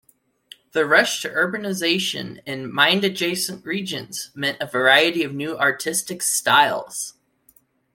The rush to urbanization in mine-adjacent regions meant a variety of new artistic styles.